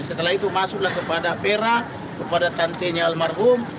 setelah itu masuklah kepada pera kepada tantenya almarhum